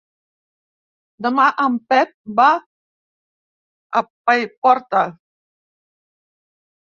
Demà en Pep va a Paiporta.